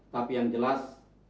tapi yang jelas